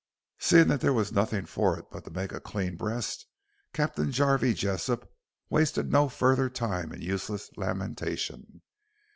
Seeing there was nothing for it but to make a clean breast, Captain Jarvey Jessop wasted no further time in useless lamentation.